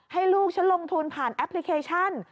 ให้ลูกฉันลงทุนผ่านแอปพลิเคชัน